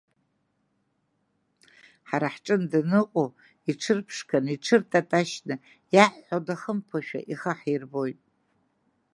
Ҳара ҳҿын даныҟоу иҽырԥшқаны, иҽыртаташьны, иаҳҳәо дахымԥошәа ихы ҳирбоит…